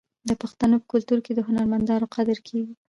د پښتنو په کلتور کې د هنرمندانو قدر کیږي.